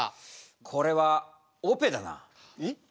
これはオペだな。え！？